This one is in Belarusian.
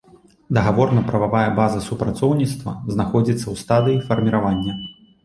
Дагаворна-прававая база супрацоўніцтва знаходзіцца ў стадыі фарміравання.